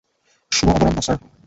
শুভ অপরাহ্ণ, স্যার।